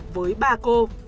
với ba cô